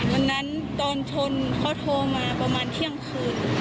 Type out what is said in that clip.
วันนั้นตอนชนเขาโทรมาประมาณเที่ยงคืน